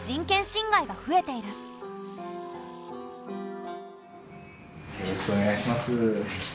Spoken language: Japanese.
お願いします。